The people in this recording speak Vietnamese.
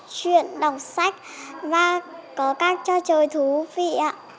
chuyện đọc sách và có các trò chơi thú vị ạ